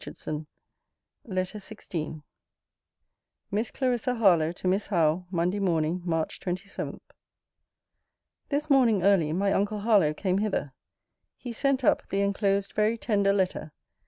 HARLOWE. LETTER XVI MISS CLARISSA HARLOWE, TO MISS HOWE MONDAY MORNING, MARCH 27. This morning early my uncle Harlowe came hither. He sent up the enclosed very tender letter.